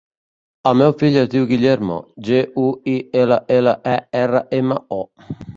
El meu fill es diu Guillermo: ge, u, i, ela, ela, e, erra, ema, o.